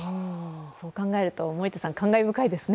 そう考えると森田さん感慨深いですね。